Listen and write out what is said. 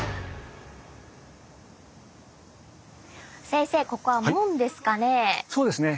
先生ここは門ですかね？